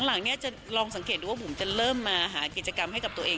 หลังเนี่ยจะลองสังเกตดูว่าบุ๋มจะเริ่มมาหากิจกรรมให้กับตัวเอง